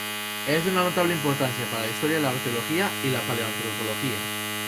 Es de una notable importancia para la historia de la arqueología y la paleoantropología.